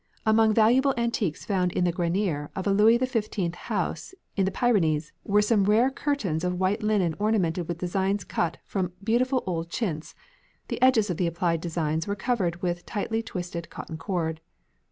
Among valuable antiques found in the grenier of a Louis XV house in the Pyrenees were some rare curtains of white linen ornamented with designs cut from beautiful old chintz; the edges of the applied designs were covered with tightly twisted cotton cord.